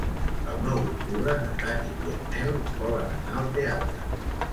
El nou d'octubre na Tanit i en Nel volen anar al teatre.